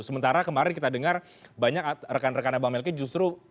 sementara kemarin kita dengar banyak rekan rekannya bang melki justru